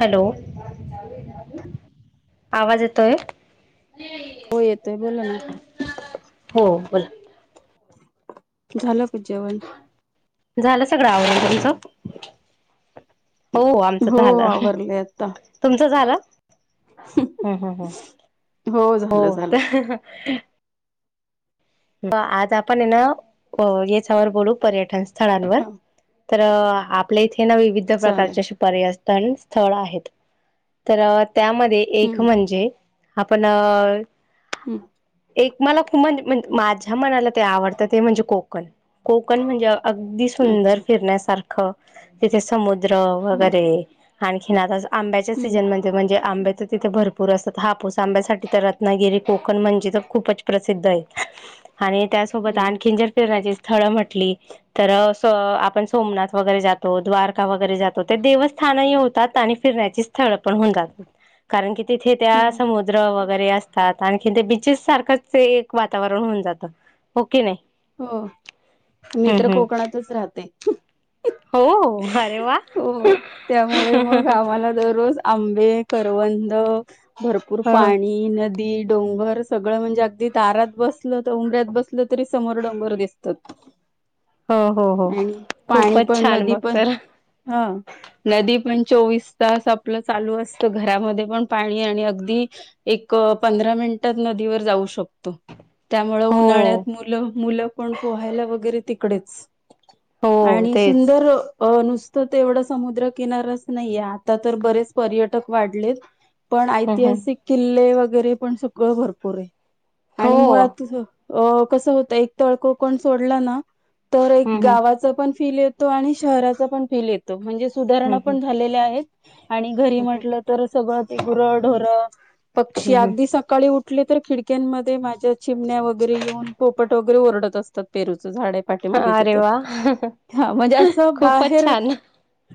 Hello आवाज येतोय. हो येतोय बोला ना. हो बोला. झालंकजेवण. झालं सगळं आवरून. पंच. हो आमचं हो झालं आवरले आता तुमचं झालं? हम् हम् हम झालं हो झालं तर. आज आपण याच्यावर बोलू पर्यटन. स्थळांवर. हा तर आपले इथे. हेना विविध चालेल प्रकारचे शिपार्या असतात. चालून स्थळ आहेत तर. त्यामध्ये एक हम्म म्हणजे. आपण अ हम्म एक मला खू मध्ये. माझ्या मनाला ते आवडतं ते म्हणजे कोकण कोकण म्हणजे अगदी सुंदर अच्छा फिरण्यासारखं तिथे समुद्र हम्म वगैरे आणखीन आता जा आंब्याच्या हम्म सीझन मध्ये म्हणजे आंबे तर तिथे भरपूर असतात हापूस आंब्यासाठी तर रत्नागिरी कोकण म्हणजे. तर खूपच प्रसिद्ध आहे आणि त्यासोबत हम्म आणखीन जर फिरण्याच अस स्थळ म्हटली. तर आपण सोमनाथ वगैरे जातो द्वारका वगैरे जातो ते देवस्थानही होतात आणि फिरण्याची स्थळ पण होऊ जात. कारण की तिथे त्या हम्म समुद्र व वगैरे असतात आणखी ते बीचेस सारखंच एक वातावरण होऊन जात हो मी तर हम्म हम्म कोकणातच राहते हो हो अरे वा हो त्यामुळे मग आम्हाला दरोज आंबे, करवंद भरपूर ह पाणी नद ते डोंगर सगळं म्हणजे अगदी दारात बसलं त उंबऱ्यात बसलं तरी समोर डोंगर दिसतात हो, हो, हो आणि पाणी खूपच पण छान नदी मग पण तर हा नदी पण चोवीस तास आपलं चालू असत. घरामध्ये पण पाणी आणि अगदी, एक पंधरा मिनटात नदीवर जाऊ शकतो त्यामुळे हो उन्हाळ्यात मुलं पण पोहायला वगैरे तिकडेच हो आणि तेच सुंदर अ नुसतं तेवढं समुद्र किनाराचं नाहीये. आता तर बरेच पर्यटक वाढलेत पण हम्म हम्म ऐतिहासिक किल्ले वगै घरीपण सगळं भरपूर आहे आणि हो मुळात तुझ अ कस होत एक तळ कोकण सोडला ना तर एक हम्म हम्म गावाचं पण फील येतो. आणि शहराचा पण फील येतो. म्हणजेचं हम्म सुधारणा पण झालेल्या आहेत आणि घरी हम्म म्हटलं तर सगळं ते गुर, ढोर हम्म पक्षी हम्म अगदी सकाळी उठ उठल्यातर खिडक्यांमध्ये माझ्या चिमण्या वैगरे येऊन पोपट वगैरे ओरडत असतात ते रोज चं झाड आहे पाठीमागे अरे तिथं वा हा म्हणजे असं खूपच बाहेर छान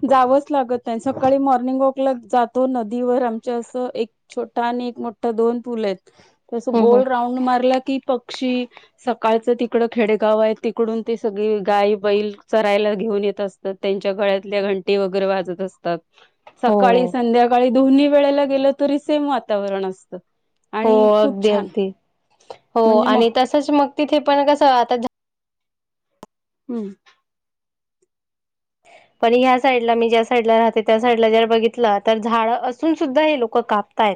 जावंच लागत नाय. सकाळी मॉर्निंगऑकला जातो नदीवर. आमच्या असं, एक छोटा आनी एक मोठा दोन पूल आहेत. तसं हं गोल हं राऊंड मारला की पक्षी सकाळचं तिकडं खेडेगाव आहे तिकडून ते सगळी गाई, बैल चरायला घेऊन येतं असतात. त्यांच्या गळ्यातल्या घंटी वैगरे वाजत असतात. हो सकाळी, संध्याकाळी.. दोन्ही वेळेला गेलं तरी सेम वातावरण असत. हो, अगदी अगदी. हो म्हणजे मग आणि तसच मग तिथे पण कसं आता? ध हं. पण ह्या साईडला मी ज्या साईडला राहते त्या साईडला जर बघितलं, तर झाडं असून सुद्धा हे लोक कापतात.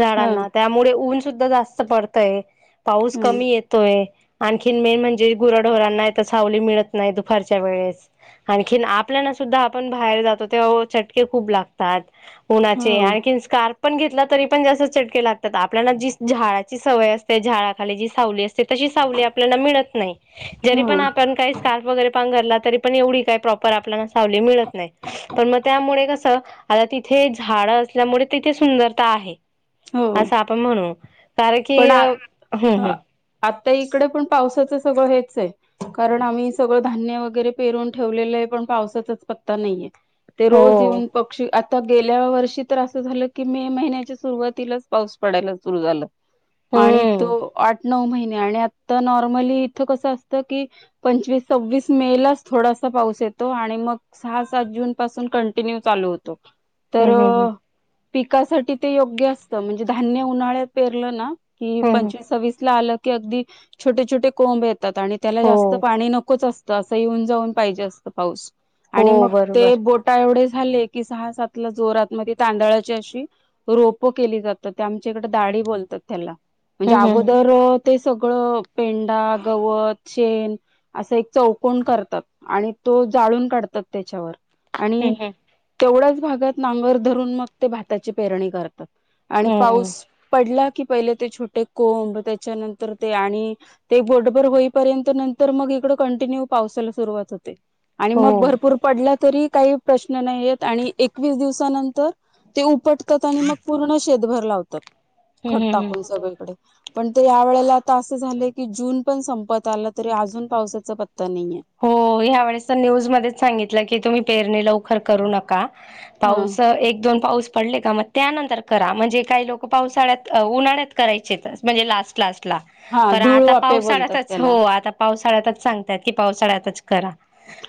झाडांना त्यामुळे उंच इथ जास्त पडतय पाऊस ह कमी येतोय. आणखी मेन म्हणजे गुराढोरांना सावली मिळत नाही, दुपारच्या वेळेस आणखी आप आपल्याना सुद्धा आपण बाहेर, जातो तेव्हा चटके खूप लागतात. उन्हाचे हो आणखीन स्कार पण घेतला तरी पण जास्त चटके लागतात आपल्याला जी झाडाची सवय असते झाडांखाली जी सावली असते तशी सावली आपल्याच [unintelligible] हो तरी पण एवढ काय प्रॉपर आप आप वली मिळत नाही पण मग त्यामुळे कसं आता तिथे झाड असल्यामुळे, तिथे सुंदरता आहे. हो आस आपण म्हणू कार की अ हम् हम् ता इकडे पण पावसाचं सगळं हेच आहे कारण आम्ही सगळं धान्य वगैरे पेरून ठेवलेलं आहे पण पावसाचाच पत्ता नाहीये. ते रोज हो. येऊन पक्षी [unintelligible] आता गेल्या वर्षी तर असं झालं की मे महिन्याच्या, सुरुवातीलाच पाऊस पडायला सुरु झाला हम्म आणि तो हम्म आठ नऊ महिने आणि आता नॉर्मली इथं कसं असतं की पंचवीस सव्वीस मे लाच थोडासा पाऊस येतो आणि मग सहा, सात जून, पासून कंटिन्यू चालू होतो. तर हम्म हम्म अ पिकासाठी ते योग्य असतं म्हणजे धान्य उन्हाळ्यात पेरलं ना की हम्म हम्म पंचवीस सव्वीस ला आलं अगदी छोटे छोटे कोंब ये आणि त्याला हो जास्त पाणी नकोच असत तर असं येऊन जाऊन पाहिजे असतं पाऊस हो आणि मग ते बरोबर बोटा एवढेच झालय की सहा सातला जोरात म ते तांदळाची अशी रोप केली जातात, ते आमच्या कडं अळी बोलतात त्यानला. म्हणजे हम्म हम्म अगोदर ते सगळं पेंडा, गवत, शेन असं एक चौकोन करतात, आणि तो जाळून काढतात त्याच्यावर अणि हम्म हम्म तेवढंच भागात नांगर धरून, मग ते भाताची पेरणी कर ता आणि हम्म हम्म पाऊस ला की पहिले ते छोटे कोंब, त्याच्यानंतर ते आणि ते बोटबर होईपर्यंत, नंतर मग इकड कंटिन्यू पावसाला सुरुवात होते. आणि हो मग भरपूर पडला तरी काही प्रश्न नाही, येत आणि एकवीस दिवसानंतर ते उपट तात आणि मग पूर्ण शेतभर लावतात. हम्म खत हम्म हम्म टाकून सगळीकडे पण ते या वेळेला आता असं झालंय, की जून पण संपत आला तरी अजून पावसाचा पत्ता नाहीये. हो ह्या वेळेस त न्यूज मधेच सांगितलं की तुम्ही पेरणी लवकर करू नका हा पाऊस एक दोन पाऊस पडले का मग त्यानंतर करा, म्हणजे काही लोक पावसाळ्यात, उन्हाळ्यात करायचेत म्हणजे लास्ट, लास्ट हा पर धूळ आता वापे पावसाळ्यात बोलतात हो त्याला आता पावस [unintelligible] सांगतात की पावसाळ्यातच करा.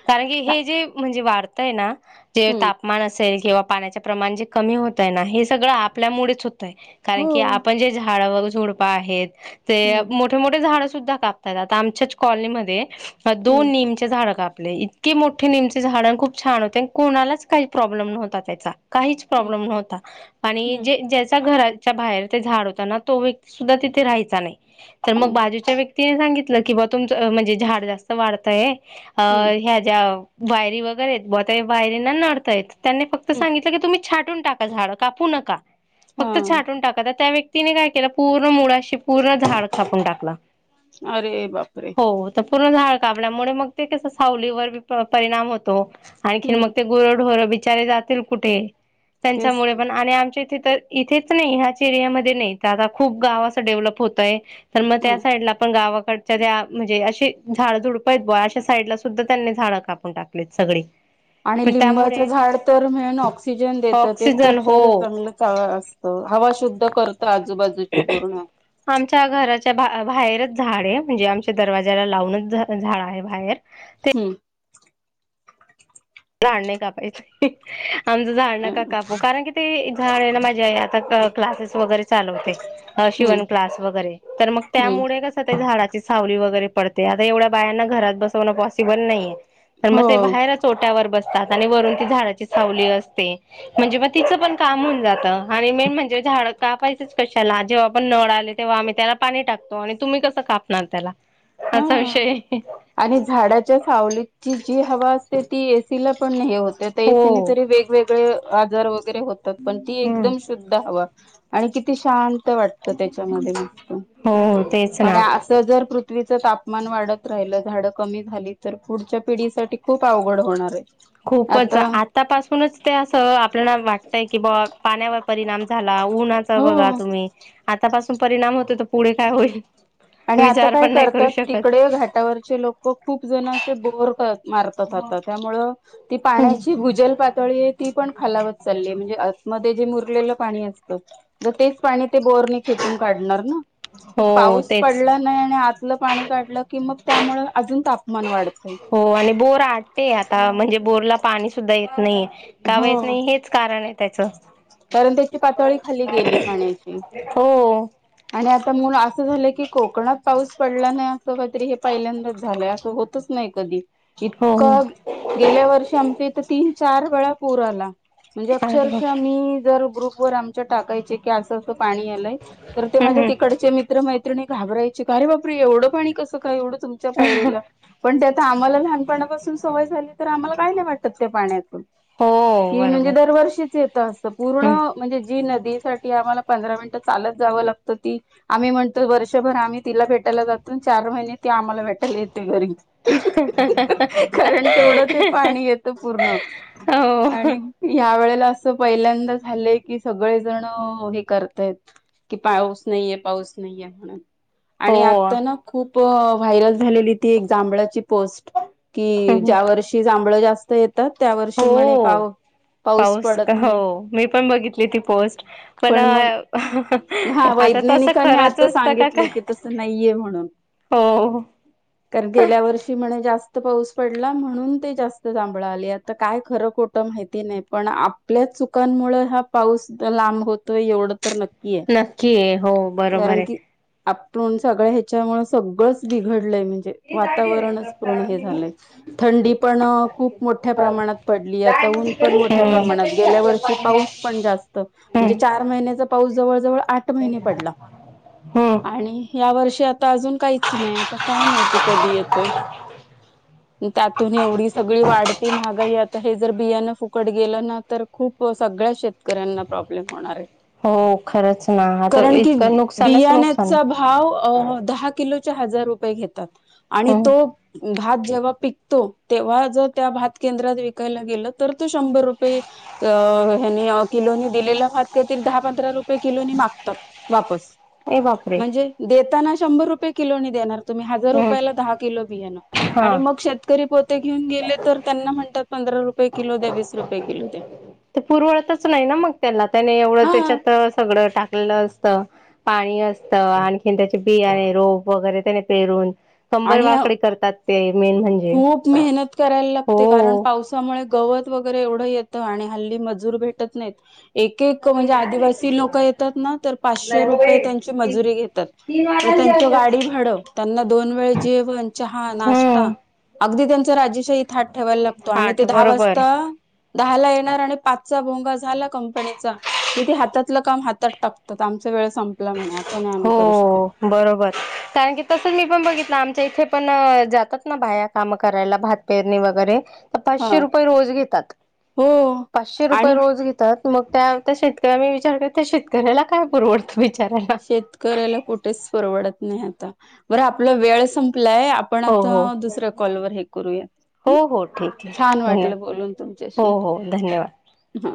कारण की हे जे म्हणजे वाढतय ना? जे हम्म तापमान असेल. किंवा पाण्याचे प्रमाण जे कमी होतय ना, हे सगळं आपल्यामुडेच होत कारण की हम्म आपण जे झाडव दोडपा आहेत. ते हम्म मोठे, मोठे झाडं सुद्धा कापतात आमच्याच कॉलनीमध्ये अ दोन हम्म नीमचे झाड काप आपले इतके मोठे नीमचे झाड नं खूप छान होते, नं कोणालाच काही प्रॉब्लेम नव्हता त्याचा काहीच प्रॉब्लेम नव्हता आणि हम्म जे ज्याचा घराच्या बाहेर ते झाड होता ना तो व्यक्ती सुद्धा तिे राहायचा नाही तर मग बाजूच्या व्यक्तीने सांगितलं किंवा तुमंच म्हणजे झाड जास्त वाढतय- अ हम्म ह्या ज्या वायरी वगैरे आहेत बता वायरी ना नडतायत त्यांनी फक्त हम्म सांगितलं की तुम्ही छाटून टाका झाडं कापू नका फक्त हा छाटून टाका तर त्या व्यक्ती तिने काय केलं पूर्ण मुळाशी पूर्ण झाड कापून टाकल, अरे बापरे हो त पूर्ण झाड काबल्यामुळे मग ते कस सावलीवर परिणाम होतो, आणखीन मग हम्म ते गुर ढोर बी चारे जातील कुठे? तेच त्यांच्यामुळे पण आणि आमच्या इथे- तर इथेच नाही ह्याच एरियामध्ये नाही, त आता खूप गाव असं डेव्हलप होतय त - पण मग त्या ह साईड ला आपण गाव कडचऱ म्हणजे असे, झाड झुडप बुवा अशा साईड ला सुद्धा त्यांनी झाडं कापून टाकलीत सगळी- आणि मग लिंबाचं त्यामुळे झाड तर म्हणून ऑक्सिजन देत ते ऑक्सिजन खूप शरीर हो चांगलं अस त हवा शुद्ध करत आजूबाजूची पूर्ण- भाहेरच झाड आहे, म्हणजे आमच्या दरवाज्याला लावूनच झाड आहे भायेर- हम्म राड नाही कापायचं [inaudible] आमचं झाड नका हम्म कापू कारण की ते झाड आहे ना माझ्या आई आता- क्लासेस वगैरे- चालवते शिवण क्लास वगैरे तर मग हम्म त्यामुळे कस ते झाडाची सावली वग- वगैरे पडते आता एवढ्या बायांना घरात बसवणं पॉसिबल नाहीये. तर मग हो ते बाहेरच ओट- बसतात आणि वरून ती झाडाची सावली असते, म्हणजे म तिचं पण काम होऊन जातं आणि मेन म्हणजे झाड कापायचच कशाला जेव्हा पण नळ आले तेव्हा आम्ही त्याला पाणी टाकतो आणि तुम्ही कसं कापणार त्याला- असा हां विषय आणि झाडाच्या सावलीतची- जी हवा असते ती तिला पण हे होते ते तिनी हो तरी वेगवेग- ते आजार व वगैरे होतात पण ती एकदम शुद्ध हवा- आणि किती शांत, वाटत त्याच्यामध्येत हो तेच आणि ना अस जर पृथ [inaudible] पुथ्वीचं तापमान वाढत राहिलं झाडं कमी झाली तर पुढच्या पिढीसाठी खूप अवघड होणार आहे. खूपच आता आतापासूनच ते असं आपल्याला वाट- काय कि बा पाण्यावर परिणाम झाला, हा उन्हाचं बघा हो तूम्ही आता पासू पण परिणाम होते तर पुढे काय होईल? आणि आता विचार काय पण नाही करू करतात शकत तिकडे घाटावरचे लोक खूप जण असे बोर मारतात आता त्यामुळं- ती पाण्याची भुजल- पातळी आहे ती पण खालावत चालली म्हणजे आत मध्ये जे मुरलेलं पाणी असत तेच पाणी - ते बोरनी खेचून काढणार ना हो पाऊस- तेच पडलं नाही आणि आतलं पाणी काढलं कि मग- त्यामुळं अजून तापमान वाढ- हो, आणि बोर आटते आता म्हणजे- बोर ला पाणी सुद्धा येत नाहीे! काव हो येत नाही हेच कारण आहे त्याच कारण त्याची पातळी खाली गेली पाण्याची हो हॊ आणि आता मूळ असं झालंय की कोकणात पाऊस पडला नाही असं कातरी हे पहिल्यांदाच झालंय- होतच नाही कधी. हो हो इतकं गेल्या वर्षी आमची इथ ती- चार वेळा पूर आला. म्हणजे अरे बाप अक्षरशः मी जर ग्रूप - वर आमच्या टाकायचे. की असं असं पाणी आलंय, तर ते हम् माझे हम् तिकडचे मित्र मैत्री- त्रिणी घबरायचे का अे बापरे एवढं पाणी कसं काय एवढं- तुमच्या पायरीला पण, त्या- त आम्हाला लहानपणापासून सवय झाली तर आम्हाला काय नाही वाटत त्या पाण्याचं - हो कि म्हणजे बरोबर दरवर्षीच येत सत पूर्ण हम्म म्हणजे जीन ठी आमला पंधरा मिनट चालत- जाव लागत ती आम्ही म्हणतो वर्षभर आम्ही तिला भेटायला जातो चार महिने- ती आम्हाला भेटाल येते घरी कारण तेवढं ते पाणी येत पूर्ण आणि हो ह्या वेळेला अस- पहिल्यांदा झालंय की सगळेजण हे करतायत - कि पाऊस नाहीये पाऊस नाहीये म्हणून. आणि हो आता ना खूप व्हायरल झालेली ती एक जांभळाची पोस्ट कि हम्म ज्या वर्षी जांभळ जास ते. हो पाऊस पडत हो नाही मी पण बघितली ती पोस्ट पण अहं हं. हा वैज्ञानिकांनी आता सांगितले काय की तस नाहीये म्हणून, हो कारण गेल्या वर्षी म्हणे जास्त पाऊस पडला म्हणून ते जास्त जांभळ आली आता काय खरं खोट माहिती नाही पण आपल्याच चुकांमुळ हा पाऊस लांब होतो एवढं तर नक्की आहे नक्की ये हो बरोबर आहे. आपटू न सगळं ह्याच्यामुळे सगळंच बिघड म्हणजे वातावरणच पूर्ण हे झालयं थंडी पण खूप मोठ्या प्रमाणात पडलीय आता ऊन पण मोठ्या हम्म प्रमाणात गेल्या वर्षी पाऊस पण जास्त म्हणजे चार महिन्याचा पाऊस - जवळ जवळ आठ महिने पडला हम्म आणि ह्या वर्षी अजून काहीच नाही आता काय माहिती कधी येतोय. त्यातून एवढी सगळी वाढते महागाई आता हे जर बियाणं फुकट गेलं ना तर खूप सगळ्या शेत शेतकऱ्यांना प्रॉब्लेम होणार आहे. हो खरंच ना आता कारण की इतकं नुकसानच नुकसान बियाण्याचा भाव आहे. अ, दहा किलोचे हजार रुपय घेतात. आणि हम्म तो भात जेव्हा पिकतो तेव्हा जर त्या भात केंद्रात विकायला गेल तर तो शंभर रुपये ह किलो दिलेला भात काहीतरी दहा पंधरा रुपये किलो मागतात वापस ए बापरे म्हणजे देताना शंभर रुपये रुप किलोनी देणार. तुम्ही हजार हम्म रुपयाला दहा किलो बियाण हा आणि मग शेतकरी पोते घेऊन गेले तर त्यांना म्हणतात पंधरा रुपये. किलो द्या वीस रुपये किलो द्या ते पुरवळतच नाही ना मग त्याला त्याने एवढं हा त्याच्यात सगळं टाकलेलं असत पाणी असतं, आणखीन त्याचे बियाने रोप वगैरे त्याने पेरून कंबर आणि वाकडी करतात ते मेन म्हणजे खूप मेहनत करायला लागते कारण हो पावसामुळे गवत वगैरे एवढं येतं आणि हल्ली मजूर भेटत नाहीत. एक एक म्हणजे आदिवासी लोक येतात ना तर पाचशे रुपये त्यांची मजुरी घेतात तर त्यांचं गाडी भाड त्यांना दोन वेळ जेवण, चहा, नाश्ता हम्म अगदी त्यांच राजेशाही थात ठेवायला लागतो आणि ते आठ दहा बरोबर वाजता दहाला येणार पाच चा भोंगा झाला कंपनीचा की ते हातातले काम हात टाकत आमचा वेळ संपला म्हणे आता नाही आम्ही करू शकत. हो बरोबर कारण की तसच मी पण बघितलं आम इथे पण जातात ना बाया् काम करायला भात पेरणी वगैरे हा पाचशे रुपये रोज घेतात, हो पाचशे रुपये आणि रोज घेतात मग त्या त्या शेतकऱ्या मी विचार कर त्या शेतकऱ्याला काय पुरवडतं बिचाऱ्याला शेतकऱ्याला कुठेच परवडत नाही आता बर आपला वेळ सं वेळ संपलाय आपण हो आता हो दुसऱ्या कॉल वर हे करूया हो हम हो ठीक आहे छान वाटलं धन्यवाद बोलून तुमच्याशी हो हो धन्यवाद हा